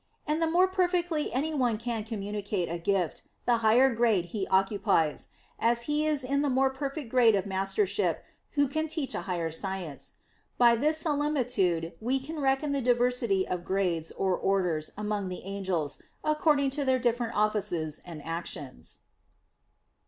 And the more perfectly anyone can communicate a gift, the higher grade he occupies, as he is in the more perfect grade of mastership who can teach a higher science. By this similitude we can reckon the diversity of grades or orders among the angels, according to their different offices and actions.